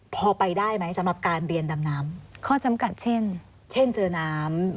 พอไปได้ไหมสำหรับการเรียนดำน้ำข้อจำกัดเช่นเช่นเจอน้ำ